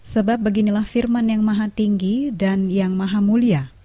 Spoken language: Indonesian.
sebab beginilah firman yang maha tinggi dan yang maha mulia